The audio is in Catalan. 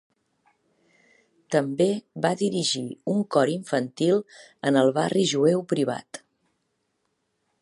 També va dirigir un cor infantil en el barri jueu privat.